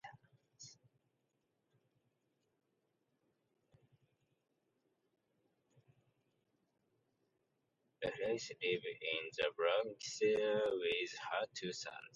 Reyes lives in the Bronx with her two sons.